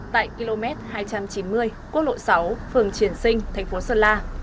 tại km hai trăm chín mươi quốc lộ sáu phường triển sinh tp sơn la